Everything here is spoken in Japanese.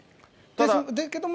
だけども。